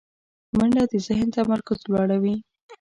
منډه د ذهن تمرکز لوړوي